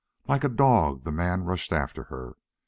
Like a dog the man rushed after her.